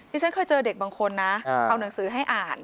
ฉันเคยเจอเด็กบางคนนะเอาหนังสือให้อ่าน